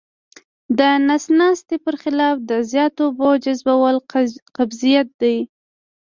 د نس ناستي پر خلاف د زیاتو اوبو جذبول قبضیت دی.